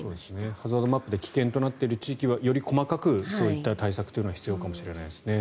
ハザードマップで危険となっている地域はより細かくそういった対策というのが必要かもしれないですね。